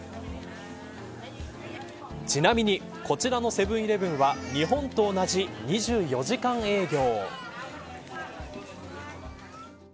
ちなみに、こちらのセブン‐イレブンは日本と同じ２４時間営業。